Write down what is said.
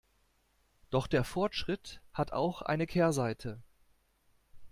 Doch der Fortschritt hat auch eine Kehrseite.